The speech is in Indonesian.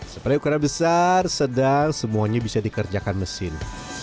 seperti ukuran besar sedang semuanya bisa dikerjakan mesin